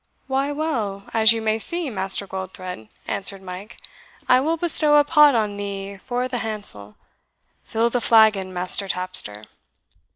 "Why, well, as you may see, Master Goldthred," answered Mike; "I will bestow a pot on thee for the handsel. Fill the flagon, Master Tapster."